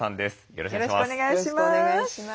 よろしくお願いします。